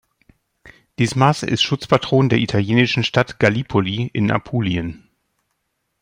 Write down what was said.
Dismas ist Schutzpatron der italienischen Stadt Gallipoli in Apulien.